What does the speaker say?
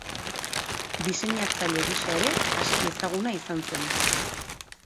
Diseinatzaile gisa ere aski ezaguna izan zen.